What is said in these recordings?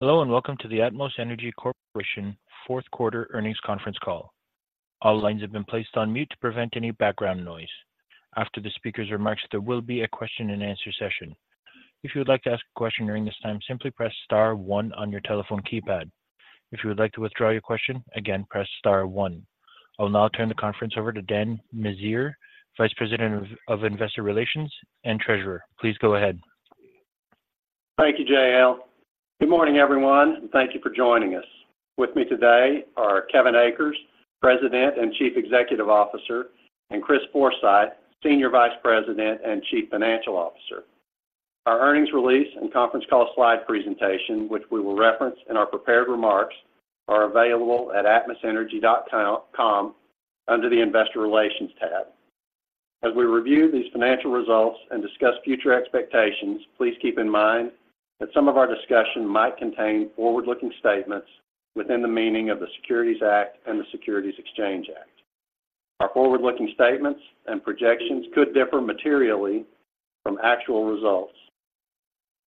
Hello, and welcome to the Atmos Energy Corporation Fourth Quarter Earnings Conference Call. All lines have been placed on mute to prevent any background noise. After the speaker's remarks, there will be a Q&A session. If you would like to ask a question during this time, simply press star one on your telephone keypad. If you would like to withdraw your question, again, press star one. I will now turn the conference over to Dan Meziere, Vice President of Investor Relations and Treasurer. Please go ahead. Thank you, JL. Good morning, everyone, and thank you for joining us. With me today are Kevin Akers, President and Chief Executive Officer, and Chris Forsythe, Senior Vice President and Chief Financial Officer. Our earnings release and conference call slide presentation, which we will reference in our prepared remarks, are available at atmosenergy.com under the Investor Relations tab. As we review these financial results and discuss future expectations, please keep in mind that some of our discussion might contain forward-looking statements within the meaning of the Securities Act and the Securities Exchange Act. Our forward-looking statements and projections could differ materially from actual results.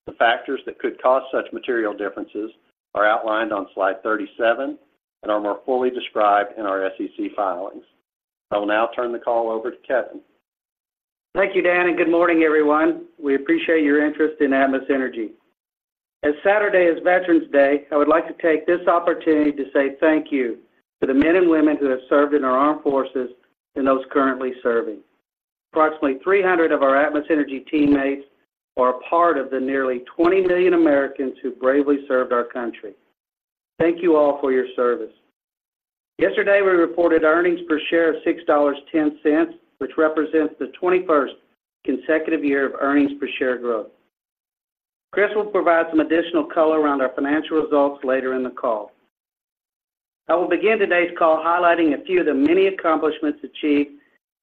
The factors that could cause such material differences are outlined on slide 37 and are more fully described in our SEC filings. I will now turn the call over to Kevin. Thank you, Dan, and good morning, everyone. We appreciate your interest in Atmos Energy. As Saturday is Veterans Day, I would like to take this opportunity to say thank you to the men and women who have served in our armed forces and those currently serving. Approximately 300 of our Atmos Energy teammates are a part of the nearly 20 million Americans who bravely served our country. Thank you all for your service. Yesterday, we reported earnings per share of $6.10, which represents the 21st consecutive year of earnings per share growth. Chris will provide some additional color around our financial results later in the call. I will begin today's call highlighting a few of the many accomplishments achieved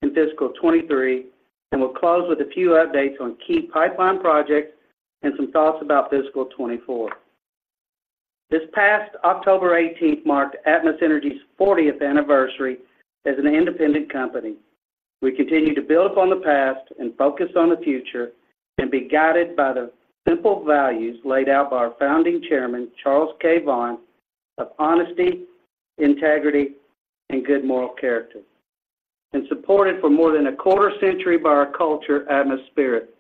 in fiscal 2023, and we'll close with a few updates on key pipeline projects and some thoughts about fiscal 2024. This past October 18th marked Atmos Energy's 40th anniversary as an independent company. We continue to build upon the past and focus on the future and be guided by the simple values laid out by our founding chairman, Charles K. Vaughan, of honesty, integrity, and good moral character, and supported for more than a quarter century by our culture, Atmos Spirit.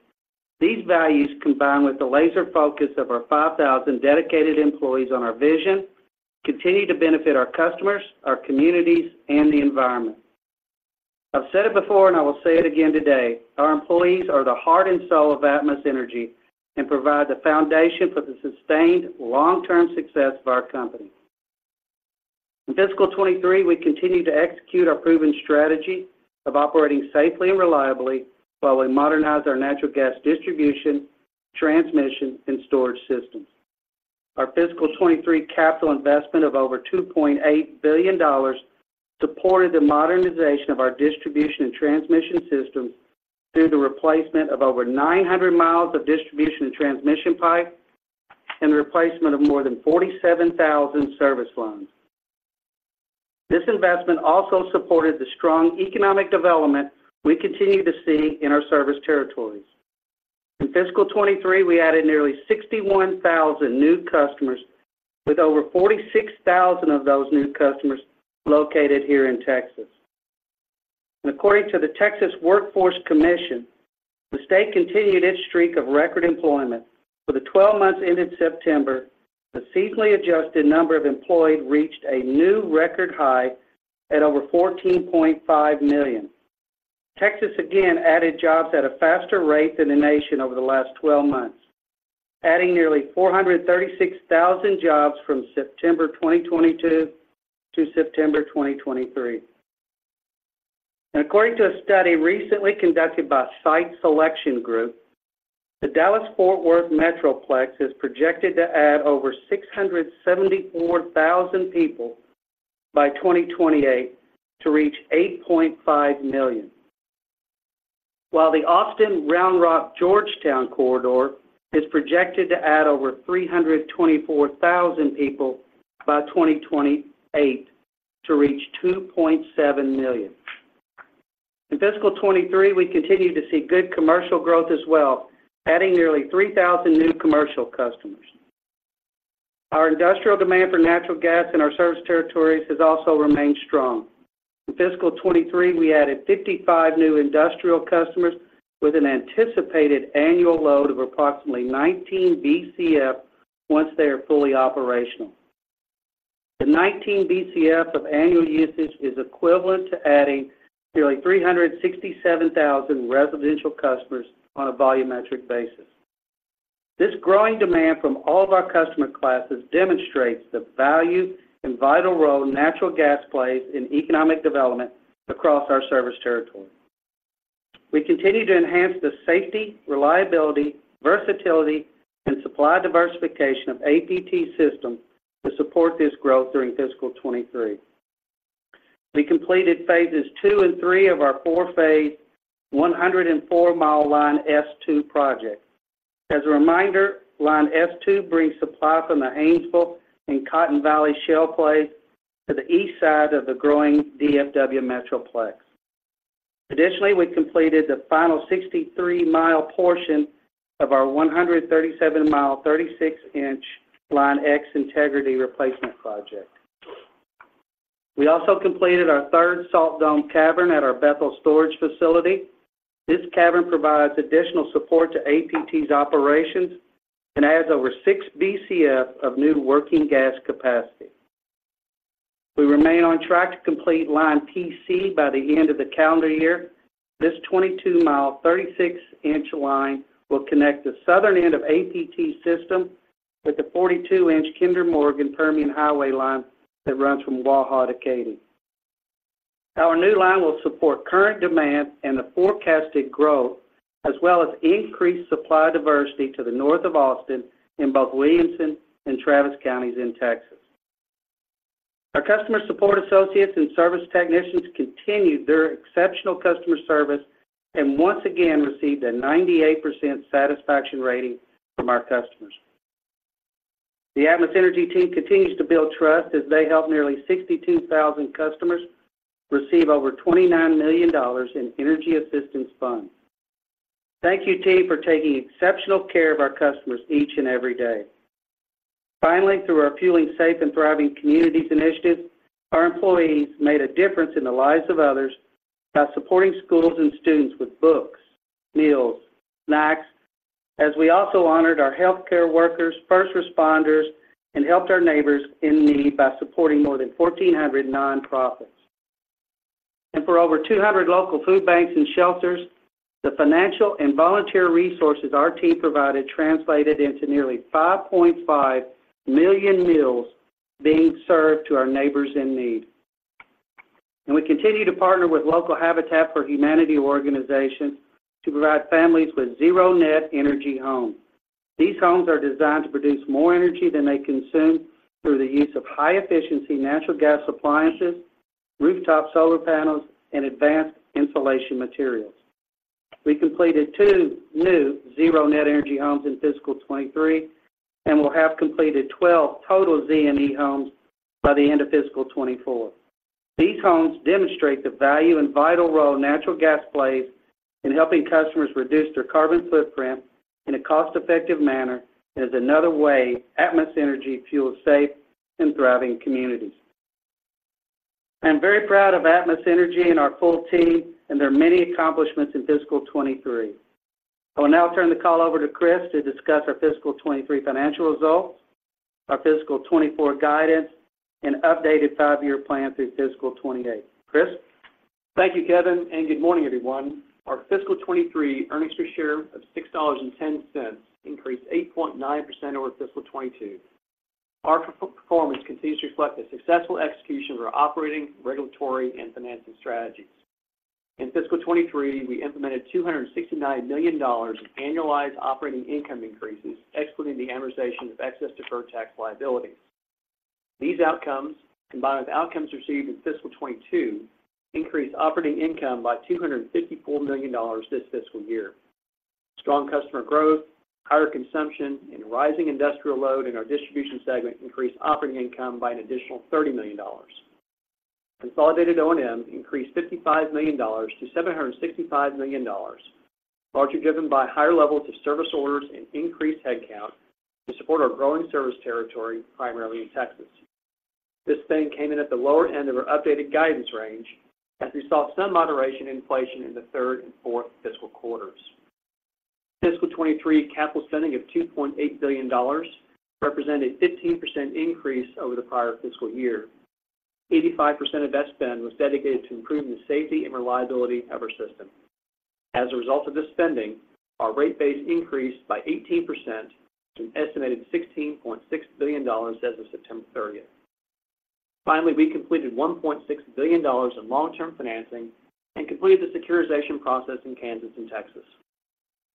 These values, combined with the laser focus of our 5,000 dedicated employees on our vision, continue to benefit our customers, our communities, and the environment. I've said it before and I will say it again today: our employees are the heart and soul of Atmos Energy and provide the foundation for the sustained long-term success of our company. In fiscal 2023, we continued to execute our proven strategy of operating safely and reliably while we modernized our natural gas distribution, transmission, and storage systems. Our fiscal 2023 capital investment of over $2.8 billion supported the modernization of our distribution and transmission systems through the replacement of over 900 mi of distribution and transmission pipe and the replacement of more than 47,000 service lines. This investment also supported the strong economic development we continue to see in our service territories. In fiscal 2023, we added nearly 61,000 new customers, with over 46,000 of those new customers located here in Texas. According to the Texas Workforce Commission, the state continued its streak of record employment. For the 12 months ended September, the seasonally adjusted number of employed reached a new record high at over 14.5 million. Texas again added jobs at a faster rate than the nation over the last 12 months, adding nearly 436,000 jobs from September 2022 to September 2023. According to a study recently conducted by Site Selection Group, the Dallas-Fort Worth Metroplex is projected to add over 674,000 people by 2028 to reach 8.5 million, while the Austin-Round Rock-Georgetown corridor is projected to add over 324,000 people by 2028 to reach 2.7 million. In fiscal 2023, we continued to see good commercial growth as well, adding nearly 3,000 new commercial customers. Our industrial demand for natural gas in our service territories has also remained strong. In fiscal 2023, we added 55 new industrial customers with an anticipated annual load of approximately 19 Bcf once they are fully operational. The 19 Bcf of annual usage is equivalent to adding nearly 367,000 residential customers on a volumetric basis. This growing demand from all of our customer classes demonstrates the value and vital role natural gas plays in economic development across our service territory. We continued to enhance the safety, reliability, versatility, and supply diversification of APT systems to support this growth during fiscal 2023. We completed phases II and III of our IV phase, 104-mile Line S2 project. As a reminder, Line S2 brings supply from the Gainesville and Cotton Valley Shale plays to the east side of the growing DFW Metroplex. Additionally, we completed the final 63-mile portion of our 137-mile, 36-inch Line X integrity replacement project. We also completed our third salt dome cavern at our Bethel storage facility. This cavern provides additional support to APT's operations and adds over 6 Bcf of new working gas capacity. We remain on track to complete Line PC by the end of the calendar year. This 22-mile, 36-inch line will connect the southern end of APT system with the 42-inch Kinder Morgan Permian Highway line that runs from Waha to Katy. Our new line will support current demand and the forecasted growth, as well as increased supply diversity to the north of Austin in both Williamson and Travis counties in Texas. Our customer support associates and service technicians continued their exceptional customer service and once again received a 98% satisfaction rating from our customers. The Atmos Energy team continues to build trust as they helped nearly 62,000 customers receive over $29 million in energy assistance funds. Thank you, team, for taking exceptional care of our customers each and every day. Finally, through our Fueling Safe and Thriving Communities initiative, our employees made a difference in the lives of others by supporting schools and students with books, meals, snacks, as we also honored our healthcare workers, first responders, and helped our neighbors in need by supporting more than 1,400 nonprofits. For over 200 local food banks and shelters, the financial and volunteer resources our team provided translated into nearly 5.5 million meals being served to our neighbors in need. We continue to partner with local Habitat for Humanity organizations to provide families with zero net energy homes. These homes are designed to produce more energy than they consume through the use of high-efficiency natural gas appliances, rooftop solar panels, and advanced insulation materials. We completed two new Zero Net Energy Homes in fiscal 2023, and we'll have completed 12 total ZNE Homes by the end of fiscal 2024. These homes demonstrate the value and vital role natural gas plays in helping customers reduce their carbon footprint in a cost-effective manner, and is another way Atmos Energy Fuels Safe and Thriving Communities. I'm very proud of Atmos Energy and our full team and their many accomplishments in fiscal 2023. I will now turn the call over to Chris to discuss our fiscal 2023 financial results, our fiscal 2024 guidance, and updated five-year plan through fiscal 2028. Chris? Thank you, Kevin, and good morning, everyone. Our fiscal 2023 earnings per share of $6.10 increased 8.9% over fiscal 2022. Our performance continues to reflect the successful execution of our operating, regulatory, and financing strategies. In fiscal 2023, we implemented $269 million of annualized operating income increases, excluding the amortization of excess deferred tax liability. These outcomes, combined with outcomes received in fiscal 2022, increased operating income by $254 million this fiscal year. Strong customer growth, higher consumption, and rising industrial load in our distribution segment increased operating income by an additional $30 million. Consolidated O&M increased $55 million to $765 million, largely driven by higher levels of service orders and increased headcount to support our growing service territory, primarily in Texas. This spending came in at the lower end of our updated guidance range as we saw some moderation in inflation in the third and fourth fiscal quarters. Fiscal 2023 capital spending of $2.8 billion represented 15% increase over the prior fiscal year. 85% of that spend was dedicated to improving the safety and reliability of our system. As a result of this spending, our rate base increased by 18% to an estimated $16.6 billion as of September 30. Finally, we completed $1.6 billion in long-term financing and completed the securitization process in Kansas and Texas.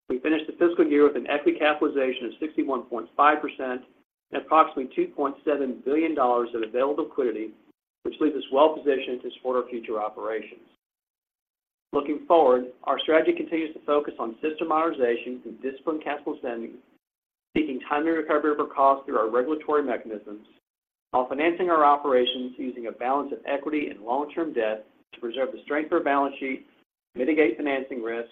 We finished the fiscal year with an equity capitalization of 61.5% and approximately $2.7 billion of available liquidity, which leaves us well positioned to support our future operations. Looking forward, our strategy continues to focus on system modernization through disciplined capital spending, seeking timely recovery of our costs through our regulatory mechanisms, while financing our operations using a balance of equity and long-term debt to preserve the strength of our balance sheet, mitigate financing risk,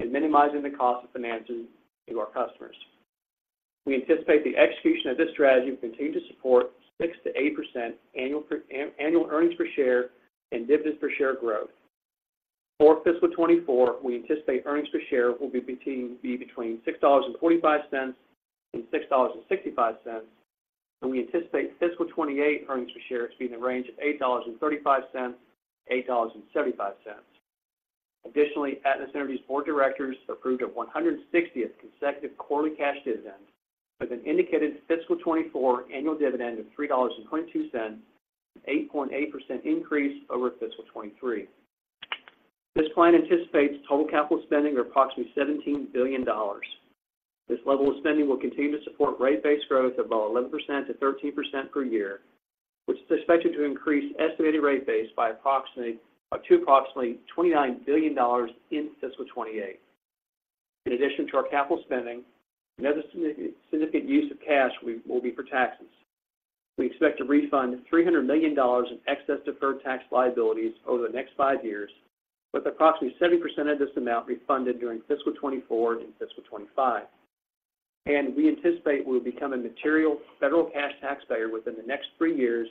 and minimizing the cost of financing to our customers. We anticipate the execution of this strategy will continue to support 6%-8% annual earnings per share and dividends per share growth. For fiscal 2024, we anticipate earnings per share will be between $6.45 and $6.65, and we anticipate fiscal 2028 earnings per share to be in the range of $8.35-$8.75. Additionally, Atmos Energy's board of directors approved a 160th consecutive quarterly cash dividend with an indicated fiscal 2024 annual dividend of $3.22, an 8.8% increase over fiscal 2023. This plan anticipates total capital spending of approximately $17 billion. This level of spending will continue to support rate base growth of about 11%-13% per year, which is expected to increase estimated rate base to approximately $29 billion in fiscal 2028. In addition to our capital spending, another significant use of cash will be for taxes. We expect to refund $300 million in excess deferred tax liabilities over the next five years, with approximately 70% of this amount refunded during fiscal 2024 and fiscal 2025. We anticipate we'll become a material federal cash taxpayer within the next three years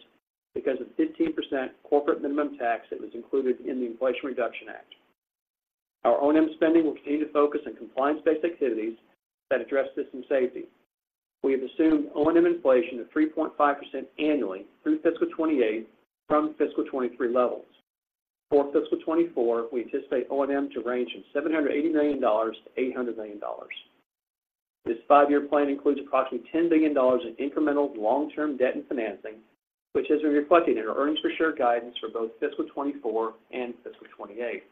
because of 15% corporate minimum tax that was included in the Inflation Reduction Act. Our O&M spending will continue to focus on compliance-based activities that address system safety. We have assumed O&M inflation of 3.5% annually through fiscal 2028 from fiscal 2023 levels. For fiscal 2024, we anticipate O&M to range from $780 million to $800 million. This five-year plan includes approximately $10 billion in incremental long-term debt and financing, which has been reflected in our earnings per share guidance for both fiscal 2024 and fiscal 2028.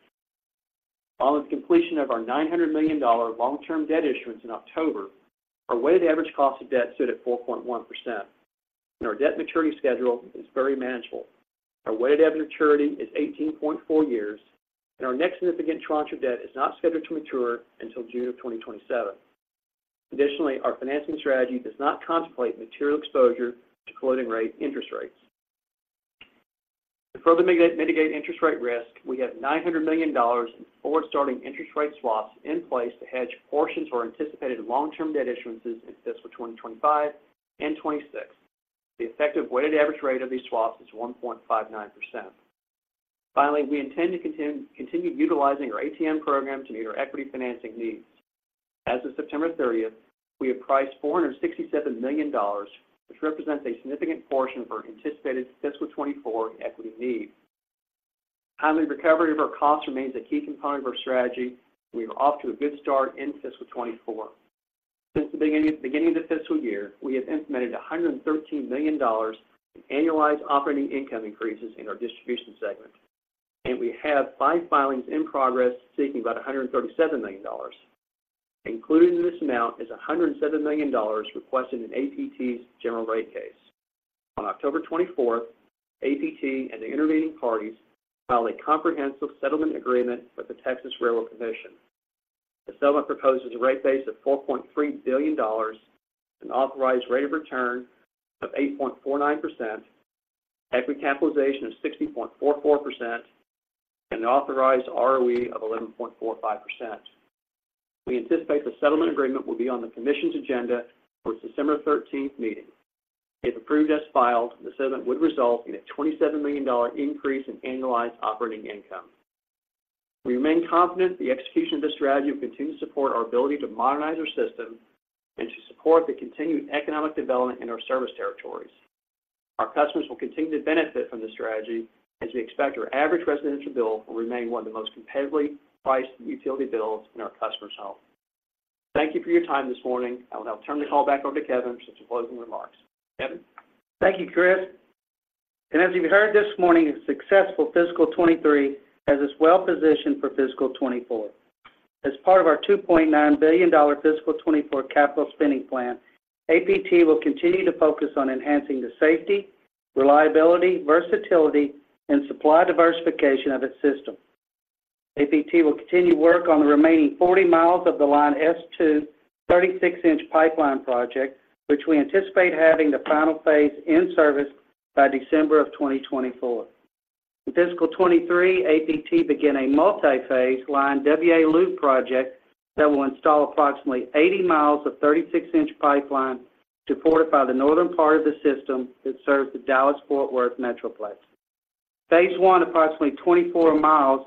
Following the completion of our $900 million long-term debt issuance in October, our weighted average cost of debt stood at 4.1%, and our debt maturity schedule is very manageable. Our weighted average maturity is 18.4 years, and our next significant tranche of debt is not scheduled to mature until June of 2027. Additionally, our financing strategy does not contemplate material exposure to floating-rate interest rates. To further mitigate interest rate risk, we have $900 million in forward-starting interest rate swaps in place to hedge portions of our anticipated long-term debt issuances in fiscal 2025 and 2026. The effective weighted average rate of these swaps is 1.59%. Finally, we intend to continue utilizing our ATM program to meet our equity financing needs. As of September 30, we have priced $467 million, which represents a significant portion of our anticipated fiscal 2024 equity needs. Timely recovery of our costs remains a key component of our strategy. We are off to a good start in fiscal 2024. Since the beginning of the fiscal year, we have implemented $113 million in annualized operating income increases in our distribution segment, and we have five filings in progress, seeking about $137 million. Included in this amount is $107 million requested in APT's general rate case. On October 24, APT and the intervening parties filed a comprehensive settlement agreement with the Texas Railroad Commission. The settlement proposes a rate base of $4.3 billion, an authorized rate of return of 8.49%, equity capitalization of 60.44%, and an authorized ROE of 11.45%. We anticipate the settlement agreement will be on the Commission's agenda for its December 13 meeting. If approved as filed, the settlement would result in a $27 million increase in annualized operating income. We remain confident the execution of this strategy will continue to support our ability to modernize our system and to support the continued economic development in our service territories. Our customers will continue to benefit from this strategy, as we expect our average residential bill will remain one of the most competitively priced utility bills in our customers' home. Thank you for your time this morning. I will now turn the call back over to Kevin for some closing remarks. Kevin? Thank you, Chris. As you've heard this morning, a successful fiscal 2023 has us well-positioned for fiscal 2024. As part of our $2.9 billion fiscal 2024 capital spending plan, APT will continue to focus on enhancing the safety, reliability, versatility, and supply diversification of its system. APT will continue work on the remaining 40 mi of the Line S2, 36-inch pipeline project, which we anticipate having the final phase in service by December 2024. In fiscal 2023, APT began a multi-phase Line WA loop project that will install approximately 80 mi of 36-inch pipeline to fortify the northern part of the system that serves the Dallas-Fort Worth Metroplex. Phase I, approximately 24 mi,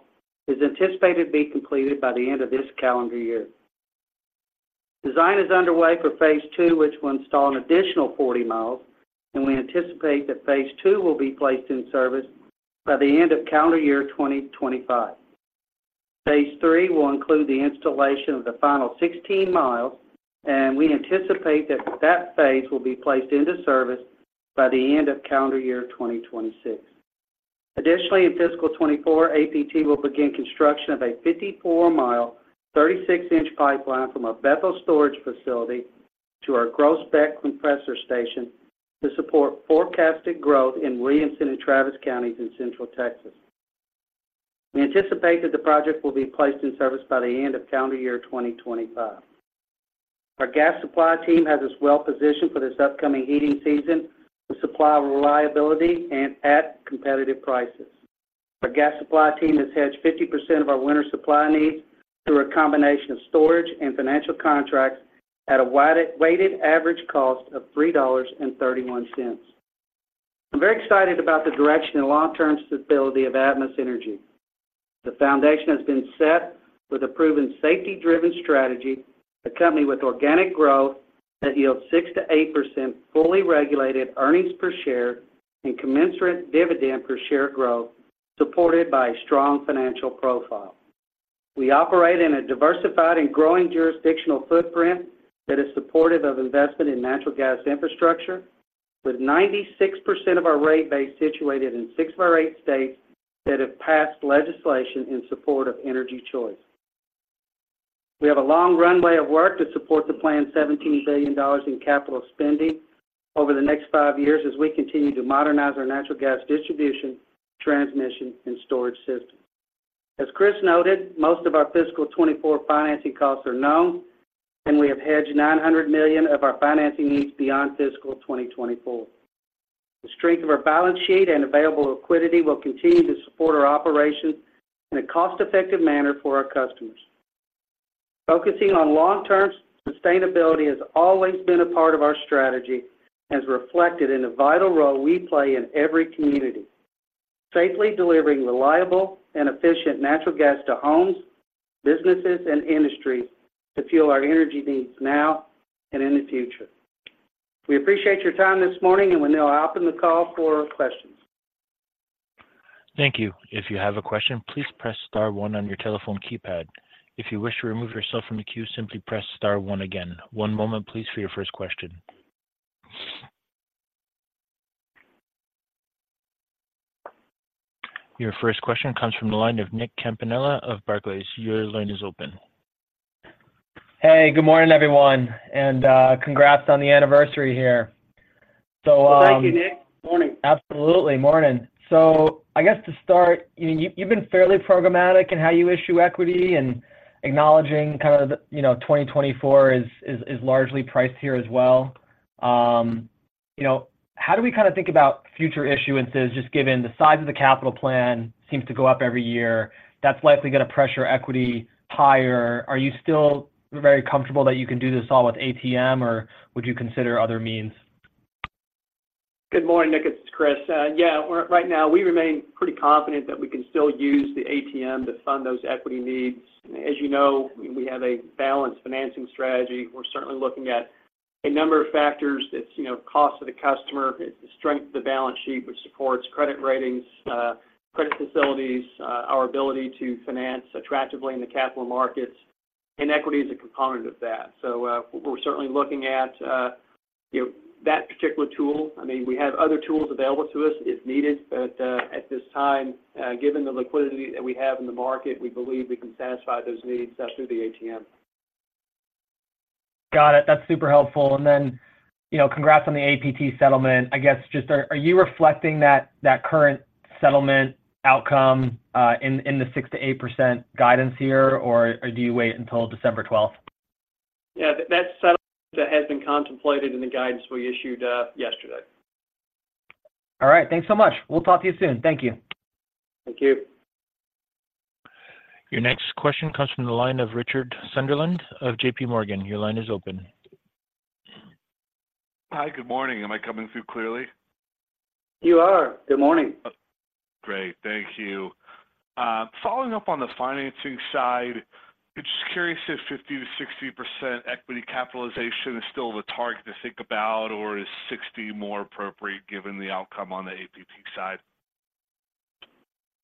is anticipated to be completed by the end of this calendar year. Design is underway for phase II, which will install an additional 40 mi, and we anticipate that phase II will be placed in service by the end of calendar year 2025. Phase III will include the installation of the final 16 mi, and we anticipate that that phase will be placed into service by the end of calendar year 2026. Additionally, in fiscal 2024, APT will begin construction of a 54-mile, 36-inch pipeline from our Bethel storage facility to our Groesbeck compressor station to support forecasted growth in Williamson and Travis Counties in Central Texas. We anticipate that the project will be placed in service by the end of calendar year 2025. Our gas supply team has us well-positioned for this upcoming heating season with supply reliability and at competitive prices. Our gas supply team has hedged 50% of our winter supply needs through a combination of storage and financial contracts at a wide-weighted average cost of $3.31. I'm very excited about the direction and long-term stability of Atmos Energy. The foundation has been set with a proven safety-driven strategy, a company with organic growth that yields 6%-8% fully regulated earnings per share and commensurate dividend per share growth, supported by a strong financial profile. We operate in a diversified and growing jurisdictional footprint that is supportive of investment in natural gas infrastructure, with 96% of our rate base situated in six of our eight states that have passed legislation in support of energy choice. We have a long runway of work to support the planned $17 billion in capital spending. Over the next five years as we continue to modernize our natural gas distribution, transmission, and storage system. As Chris noted, most of our fiscal 2024 financing costs are known, and we have hedged $900 million of our financing needs beyond fiscal 2024. The strength of our balance sheet and available liquidity will continue to support our operations in a cost-effective manner for our customers. Focusing on long-term sustainability has always been a part of our strategy, as reflected in the vital role we play in every community, safely delivering reliable and efficient natural gas to homes, businesses, and industries to fuel our energy needs now and in the future. We appreciate your time this morning, and we now open the call for questions. Thank you. If you have a question, please press star one on your telephone keypad. If you wish to remove yourself from the queue, simply press star one again. One moment, please, for your first question. Your first question comes from the line of Nick Campanella of Barclays. Your line is open. Hey, good morning, everyone, and congrats on the anniversary here. So Thank you, Nick. Morning. Absolutely. Morning. I guess to start, you, you've been fairly programmatic in how you issue equity and acknowledging kind of, you know, 2024 is largely priced here as well. You know, how do we kind of think about future issuances, just given the size of the capital plan seems to go up every year? That's likely going to pressure equity higher. Are you still very comfortable that you can do this all with ATM, or would you consider other means? Good morning, Nick, it's Chris. Yeah, we're right now, we remain pretty confident that we can still use the ATM to fund those equity needs. As you know, we have a balanced financing strategy. We're certainly looking at a number of factors. It's, you know, cost to the customer, it's the strength of the balance sheet, which supports credit ratings, credit facilities, our ability to finance attractively in the capital markets, and equity is a component of that. So, we're certainly looking at, you know, that particular tool. I mean, we have other tools available to us if needed, but, at this time, given the liquidity that we have in the market, we believe we can satisfy those needs through the ATM. Got it. That's super helpful. And then, you know, congrats on the APT settlement. I guess, just are you reflecting that current settlement outcome in the 6%-8% guidance here, or do you wait until December 12th? Yeah, that settlement has been contemplated in the guidance we issued yesterday. All right. Thanks so much. We'll talk to you soon. Thank you. Thank you. Your next question comes from the line of Richard Sunderland of JP Morgan. Your line is open. Hi, good morning. Am I coming through clearly? You are. Good morning. Great. Thank you. Following up on the financing side, just curious if 50%-60% equity capitalization is still the target to think about, or is 60% more appropriate given the outcome on the APT side?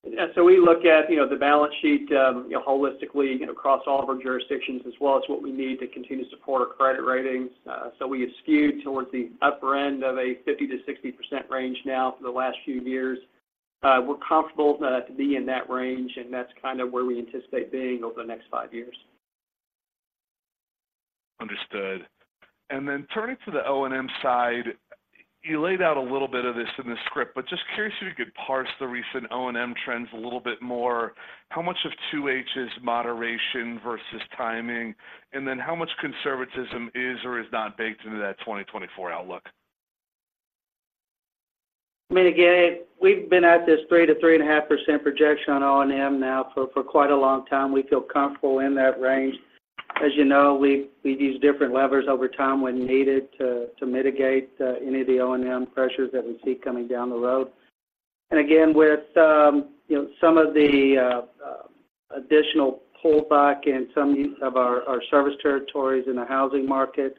Yeah, so we look at, you know, the balance sheet, you know, holistically across all of our jurisdictions, as well as what we need to continue to support our credit ratings. So we have skewed towards the upper end of a 50%-60% range now for the last few years. We're comfortable to, to be in that range, and that's kind of where we anticipate being over the next five years. Understood. And then turning to the O&M side, you laid out a little bit of this in the script, but just curious if you could parse the recent O&M trends a little bit more. How much of 2H is moderation versus timing? And then how much conservatism is or is not baked into that 2024 outlook? I mean, again, we've been at this 3%-3.5% projection on O&M now for quite a long time. We feel comfortable in that range. As you know, we use different levers over time when needed to mitigate any of the O&M pressures that we see coming down the road. And again, with you know, some of the additional pullback in some of our service territories in the housing market,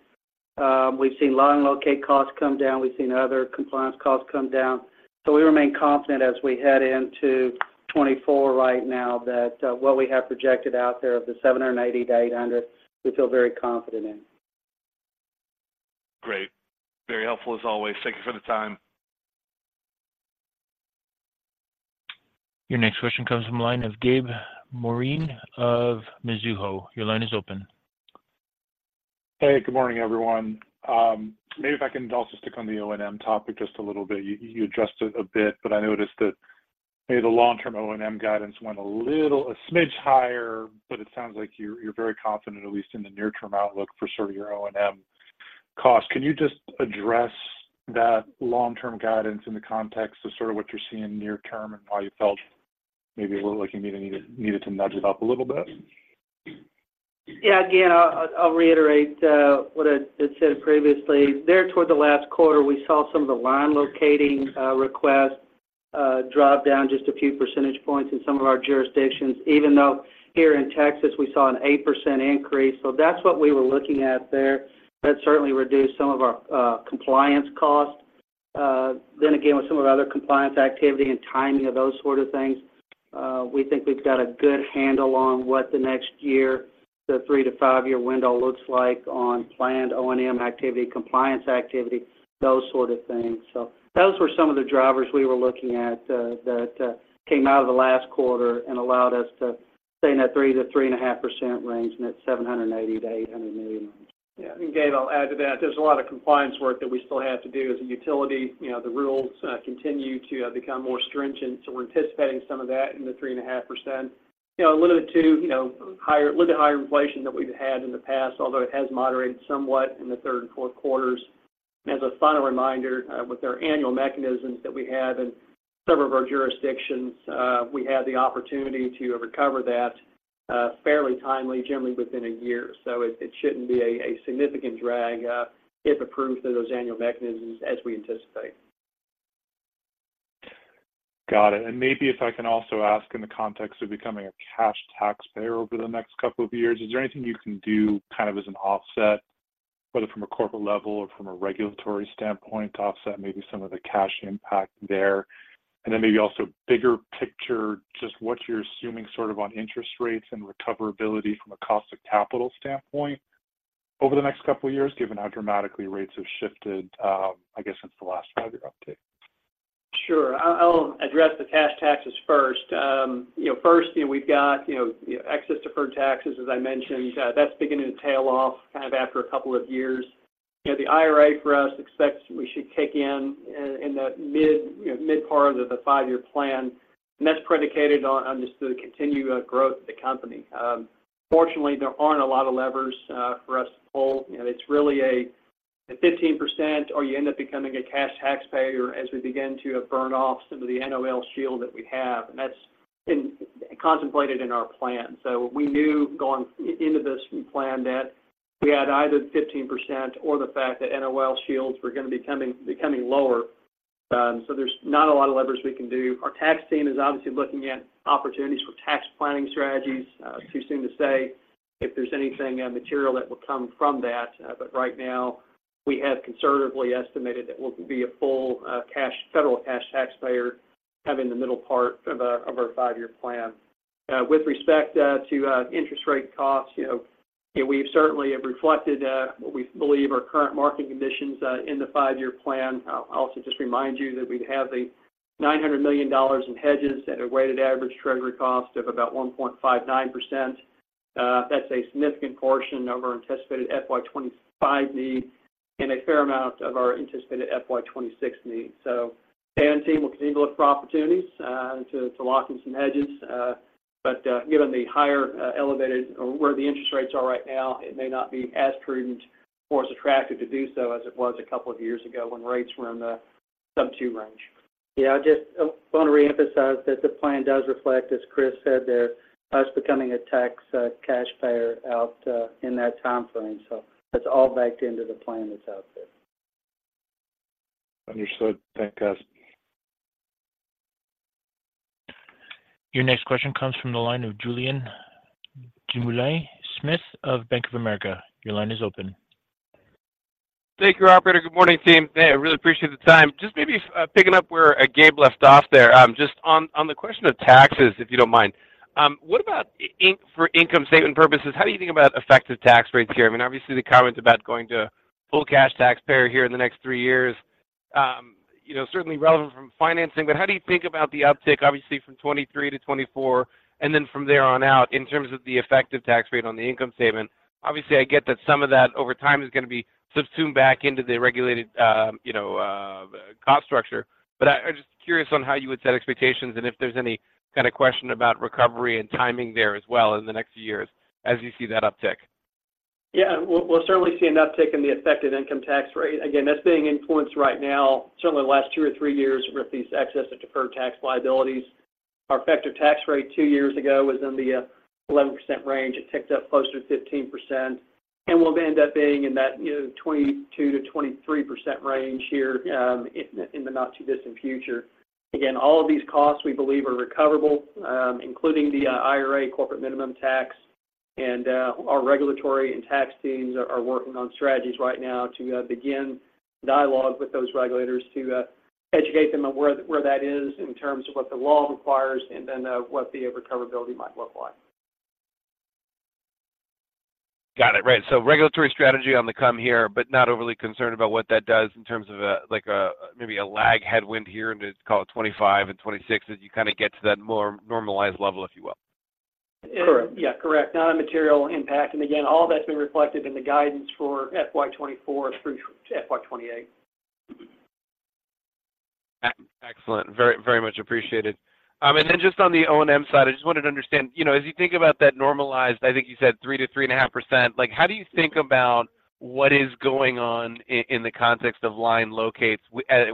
we've seen line locate costs come down. We've seen other compliance costs come down. So we remain confident as we head into 2024 right now, that what we have projected out there of the $780-$800, we feel very confident in. Great. Very helpful, as always. Thank you for the time. Your next question comes from the line of Gabe Moreen of Mizuho. Your line is open. Hey, good morning, everyone. Maybe if I can also stick on the O&M topic just a little bit. You addressed it a bit, but I noticed that maybe the long-term O&M guidance went a little, a smidge higher, but it sounds like you're very confident, at least in the near-term outlook for sort of your O&M costs. Can you just address that long-term guidance in the context of sort of what you're seeing near term, and why you felt maybe a little like you needed to nudge it up a little bit? Yeah. Again, I'll reiterate what I had said previously. There toward the last quarter, we saw some of the line locating requests drop down just a few percentage points in some of our jurisdictions, even though here in Texas, we saw an 8% increase. So that's what we were looking at there. That certainly reduced some of our compliance costs. Then again, with some of the other compliance activity and timing of those sort of things, we think we've got a good handle on what the next year, the three- to five-year window looks like on planned O&M activity, compliance activity, those sort of things. So those were some of the drivers we were looking at that came out of the last quarter and allowed us to... Staying at 3%-3.5% range, and that's $780 million-$800 million. Yeah, and Gabe, I'll add to that. There's a lot of compliance work that we still have to do as a utility. You know, the rules continue to become more stringent, so we're anticipating some of that in the 3.5%. You know, a little bit higher inflation than we've had in the past, although it has moderated somewhat in the third and fourth quarters. And as a final reminder, with our annual mechanisms that we have in several of our jurisdictions, we have the opportunity to recover that fairly timely, generally within a year. So it shouldn't be a significant drag if approved through those annual mechanisms as we anticipate. Got it. And maybe if I can also ask in the context of becoming a cash taxpayer over the next couple of years, is there anything you can do kind of as an offset, whether from a corporate level or from a regulatory standpoint, to offset maybe some of the cash impact there? And then maybe also bigger picture, just what you're assuming sort of on interest rates and recoverability from a cost of capital standpoint over the next couple of years, given how dramatically rates have shifted, I guess, since the last five-year update. Sure. I'll address the cash taxes first. You know, first, you know, we've got, you know, excess deferred taxes, as I mentioned. That's beginning to tail off kind of after a couple of years. You know, the IRA, for us, expects we should kick in in the mid, you know, mid part of the five-year plan, and that's predicated on just the continued growth of the company. Fortunately, there aren't a lot of levers for us to pull. You know, it's really a 15%, or you end up becoming a cash taxpayer as we begin to burn off some of the NOL shield that we have, and that's been contemplated in our plan. So we knew going into this plan that we had either the 15% or the fact that NOL shields were going to be coming, becoming lower. So there's not a lot of levers we can do. Our tax team is obviously looking at opportunities for tax planning strategies. It's too soon to say if there's anything material that will come from that. But right now, we have conservatively estimated that we'll be a full cash federal cash taxpayer kind of in the middle part of our five-year plan. With respect to interest rate costs, you know, we certainly have reflected what we believe are current market conditions in the five-year plan. I'll also just remind you that we have $900 million in hedges at a weighted average treasury cost of about 1.59%. That's a significant portion of our anticipated FY 2025 needs and a fair amount of our anticipated FY 2026 needs. So the team will continue to look for opportunities to lock in some hedges. But given the higher elevated or where the interest rates are right now, it may not be as prudent or as attractive to do so as it was a couple of years ago when rates were in the sub two range. Yeah, I just want to reemphasize that the plan does reflect, as Chris said there, us becoming a tax cash payer out in that time frame. So that's all backed into the plan that's out there. Understood. Thank you. Your next question comes from the line of Julian Dumoulin-Smith of Bank of America. Your line is open. Thank you, operator. Good morning, team. I really appreciate the time. Just maybe picking up where Gabe left off there, just on the question of taxes, if you don't mind. What about income for income statement purposes, how do you think about effective tax rates here? I mean, obviously, the comment about going to full cash taxpayer here in the next three years, you know, certainly relevant from financing, but how do you think about the uptick, obviously, from 2023 to 2024, and then from there on out in terms of the effective tax rate on the income statement? Obviously, I get that some of that over time is going to be subsumed back into the regulated, you know, cost structure, but I'm just curious on how you would set expectations and if there's any kind of question about recovery and timing there as well in the next few years as you see that uptick. Yeah. We'll certainly see an uptick in the effective income tax rate. Again, that's being influenced right now, certainly the last two or three years with these Excess Deferred Tax Liabilities. Our effective tax rate two years ago was in the 11% range. It ticked up closer to 15% and will end up being in that, you know, 22%-23% range here in the not-too-distant future. Again, all of these costs, we believe, are recoverable, including the IRA corporate minimum tax, and our regulatory and tax teams are working on strategies right now to begin dialogue with those regulators to educate them on where that is in terms of what the law requires and then what the recoverability might look like. Got it. Right. So regulatory strategy on the come here, but not overly concerned about what that does in terms of, like, a, maybe a lag headwind here, and it's call it 2025 and 2026, as you kind of get to that more normalized level, if you will? Correct. Yeah, correct. Not a material impact. And again, all that's been reflected in the guidance for FY 2024 through FY 2028. Excellent. Very, very much appreciated. And then just on the O&M side, I just wanted to understand, you know, as you think about that normalized, I think you said 3%-3.5%, like, how do you think about what is going on in the context of line locates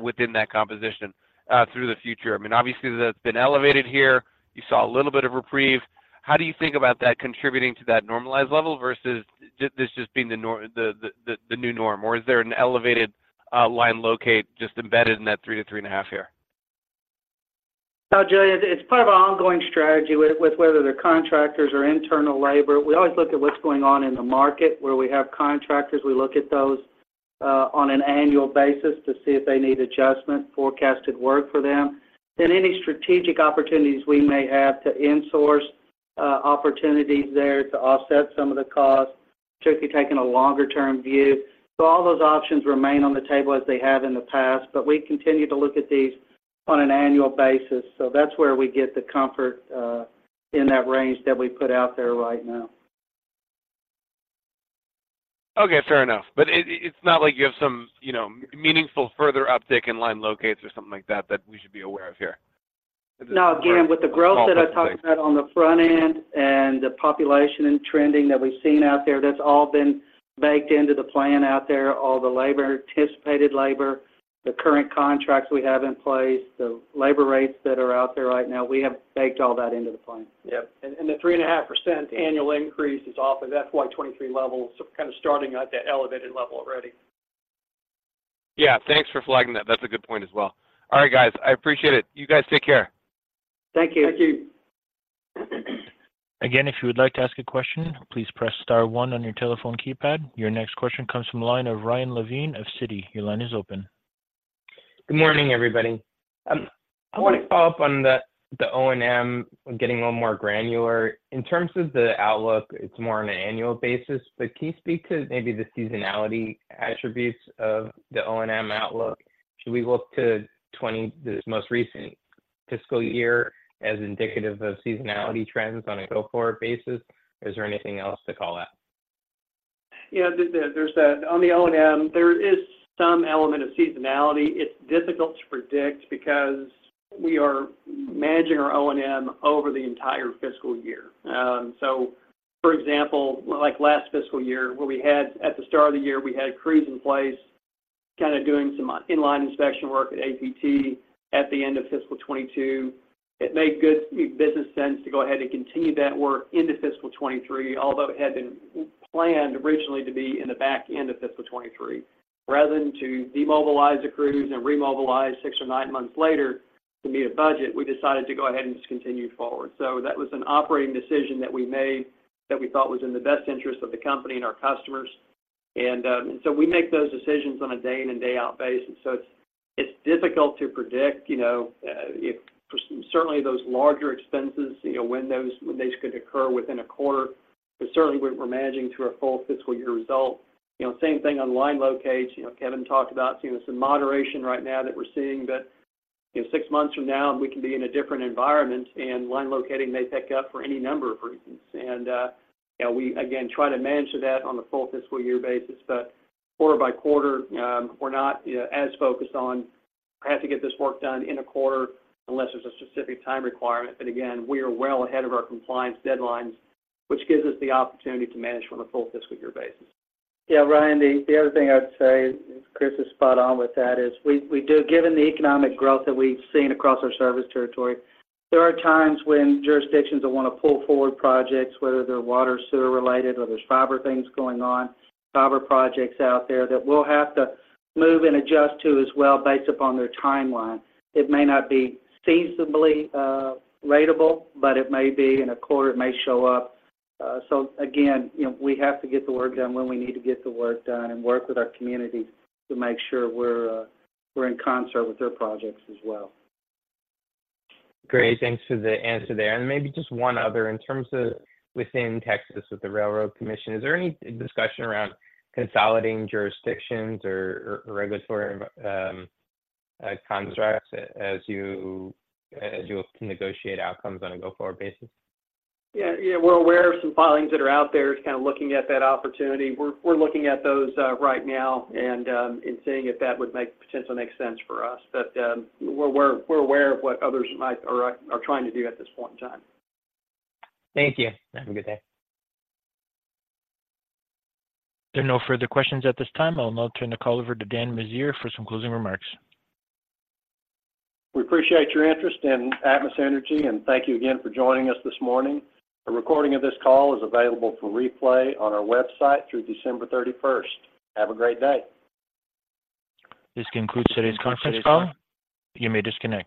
within that composition through the future? I mean, obviously, that's been elevated here. You saw a little bit of reprieve. How do you think about that contributing to that normalized level versus this just being the new norm, or is there an elevated line locate just embedded in that 3%-3.5% here? No, Julian, it's part of our ongoing strategy with whether they're contractors or internal labor. We always look at what's going on in the market. Where we have contractors, we look at those on an annual basis to see if they need adjustment, forecasted work for them. Then any strategic opportunities we may have to insource opportunities there to offset some of the costs, typically taking a longer-term view. So all those options remain on the table as they have in the past, but we continue to look at these on an annual basis. So that's where we get the comfort in that range that we put out there right now. Okay, fair enough. But it, it's not like you have some, you know, meaningful further uptick in line locates or something like that, that we should be aware of here? No, again, with the growth that I talked about on the front end and the population and trending that we've seen out there, that's all been baked into the plan out there. All the labor, anticipated labor, the current contracts we have in place, the labor rates that are out there right now, we have baked all that into the plan. Yep, and the 3.5% annual increase is off of FY 2023 levels, so kind of starting at that elevated level already. Yeah, thanks for flagging that. That's a good point as well. All right, guys, I appreciate it. You guys take care. Thank you. Thank you. Again, if you would like to ask a question, please press star one on your telephone keypad. Your next question comes from the line of Ryan Levine of Citi. Your line is open. Good morning, everybody. I want to follow up on the O&M, getting a little more granular. In terms of the outlook, it's more on an annual basis, but can you speak to maybe the seasonality attributes of the O&M outlook? Should we look to 2020, this most recent fiscal year, as indicative of seasonality trends on a go-forward basis, or is there anything else to call out? Yeah, there's that. On the O&M, there is some element of seasonality. It's difficult to predict because we are managing our O&M over the entire fiscal year. So for example, like last fiscal year, where we had, at the start of the year, we had crews in place kind of doing some inline inspection work at APT at the end of fiscal 2022. It made good business sense to go ahead and continue that work into fiscal 2023, although it had been planned originally to be in the back end of fiscal 2023. Rather than to demobilize the crews and remobilize 6 or 9 months later to meet a budget, we decided to go ahead and just continue forward. So that was an operating decision that we made that we thought was in the best interest of the company and our customers. So we make those decisions on a day in and day out basis. So it's difficult to predict, you know, if certainly those larger expenses, you know, when those could occur within a quarter, but certainly when we're managing through a full fiscal year result. You know, same thing on line locates. You know, Kevin talked about, you know, some moderation right now that we're seeing, but, you know, six months from now, we can be in a different environment, and line locating may pick up for any number of reasons. And, you know, we again try to manage to that on a full fiscal year basis. But quarter-by-quarter,, we're not as focused on, "I have to get this work done in a quarter," unless there's a specific time requirement. But again, we are well ahead of our compliance deadlines, which gives us the opportunity to manage from a full fiscal year basis. Yeah, Ryan, the other thing I'd say, Chris is spot on with that, is we do—given the economic growth that we've seen across our service territory, there are times when jurisdictions will want to pull forward projects, whether they're water, sewer-related or there's fiber things going on, fiber projects out there that we'll have to move and adjust to as well, based upon their timeline. It may not be seasonably ratable, but it may be in a quarter, it may show up. So again, you know, we have to get the work done when we need to get the work done and work with our communities to make sure we're in concert with their projects as well. Great, thanks for the answer there. And maybe just one other: in terms of within Texas, with the Railroad Commission, is there any discussion around consolidating jurisdictions or regulatory contracts as you negotiate outcomes on a go-forward basis? Yeah, yeah, we're aware of some filings that are out there, just kind of looking at that opportunity. We're looking at those right now and seeing if that would make potentially make sense for us. But we're aware of what others might or are trying to do at this point in time. Thank you. Have a good day. There are no further questions at this time. I will now turn the call over to Dan Meziere for some closing remarks. We appreciate your interest in Atmos Energy, and thank you again for joining us this morning. A recording of this call is available for replay on our website through December thirty-first. Have a great day. This concludes today's conference call. You may disconnect.